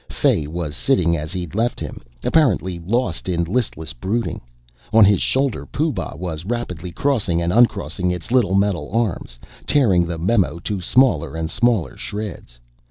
Fay was sitting as he'd left him, apparently lost in listless brooding. On his shoulder Pooh Bah was rapidly crossing and uncrossing its little metal arms, tearing the memo to smaller and smaller shreds.